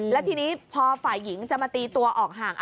แล้วทีนี้พอฝ่ายหญิงจะมาตีตัวออกห่าง